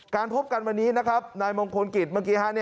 พบกันวันนี้นะครับนายมงคลกิจเมื่อกี้ฮะ